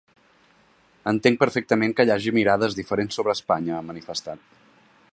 Entenc perfectament que hagi mirades diferents sobre Espanya, ha manifestat.